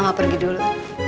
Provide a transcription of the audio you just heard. mama pergi dulu